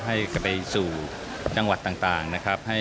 ให้ไปสู่จังหวัดต่างนะครับ